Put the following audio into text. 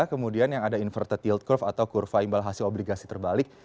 kemudian yang ada inverted yid curve atau kurva imbal hasil obligasi terbalik